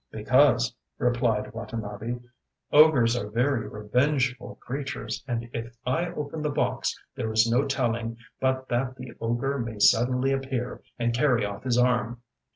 ŌĆ£Because, ŌĆØ replied Watanabe, ŌĆ£ogres are very revengeful creatures, and if I open the box there is no telling but that the ogre may suddenly appear and carry off his arm.